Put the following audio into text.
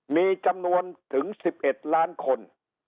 มีจำนวนถึง๑๑ล้านคน